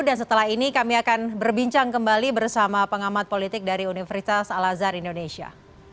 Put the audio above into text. dan setelah ini kami akan berbincang kembali bersama pengamat politik dari universitas salazar indonesia